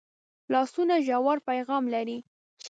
لاسونه ژور پیغام لري